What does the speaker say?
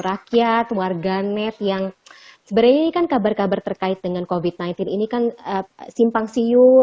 rakyat warga net yang sebenarnya ini kan kabar kabar terkait dengan covid sembilan belas ini kan simpang siur